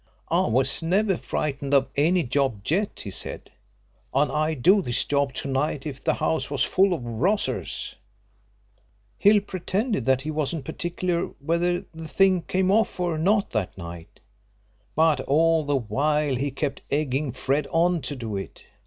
'I was never frightened of any job yet,' he said, 'and I'd do this job to night if the house was full of rozzers,' Hill pretended that he wasn't particular whether the thing came off or not that night, but all the while he kept egging Fred on to do it.